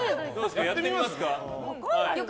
やってみますか？